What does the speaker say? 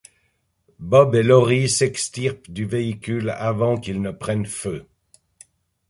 Bob et Laurie s'extirpent du véhicule avant qu'il ne prenne feu.